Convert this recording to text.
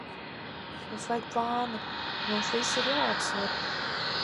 Mums vajag plānu, mums viss ir jāapsver!